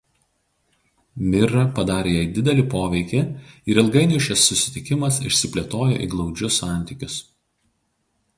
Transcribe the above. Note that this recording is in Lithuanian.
Mirra padarė jai didelį poveikį ir ilgainiui šis susitikimas išsiplėtojo į glaudžius santykius.